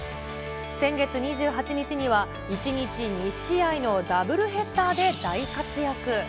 先月２８日には１日２試合のダブルヘッダーで大活躍。